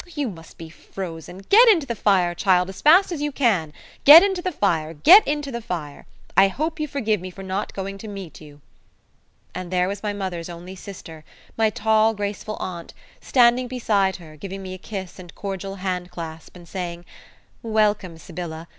You must be frozen. Get in to the fire, child, as fast as you can. Get in to the fire, get in to the fire. I hope you forgive me for not going to meet you." And there was my mother's only sister, my tall graceful aunt, standing beside her, giving me a kiss and cordial hand clasp, and saying, "Welcome, Sybylla.